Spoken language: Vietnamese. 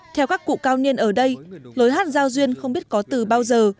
theo các cụ cao niên ở đây lối hát giao duyên không biết có từ bao giờ